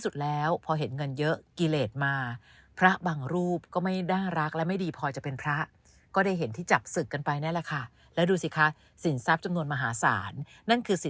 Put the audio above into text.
สุดแล้วพอเห็นเงินเยอะกรีเหตรมาพระบางรูปก็ไม่น่ารัก